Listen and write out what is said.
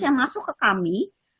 yang masuk ke kami